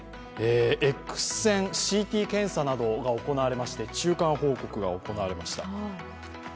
Ｘ線、ＣＴ検査などが行われまして中間報告が行われました。